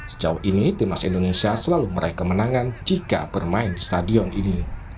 sejauh ini timnas indonesia selalu meraih kemenangan jika bermain di stadion ini